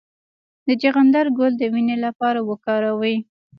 د چغندر ګل د وینې لپاره وکاروئ